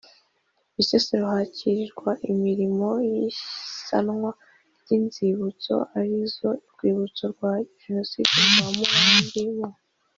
Bisesero hanakirwa imirimo y isanwa ry Inzibutso arizo Urwibutso rwa Jenoside rw i Murambi mu